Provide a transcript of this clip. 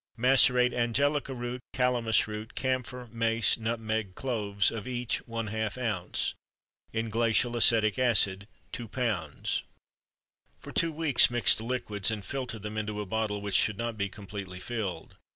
Macerate: Angelica root, calamus root, camphor, mace, nutmeg, cloves, of each ½ oz. In glacial acetic acid 2 lb. for two weeks, mix the liquids, and filter them into a bottle which should not be completely filled.